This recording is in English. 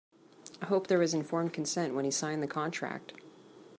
I hope there was informed consent when he signed the contract.